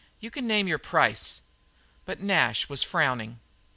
You can name your price." But Nash was frowning.